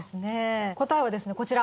答えはですねこちら。